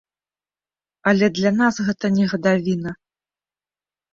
Але для нас гэта не гадавіна.